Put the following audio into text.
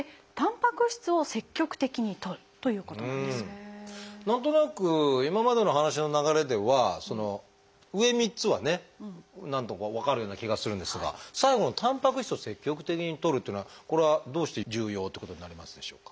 要点を見ていきますとまずは何となく今までの話の流れでは上３つはね分かるような気がするんですが最後の「たんぱく質を積極的にとる」というのはこれはどうして重要ということになりますでしょうか？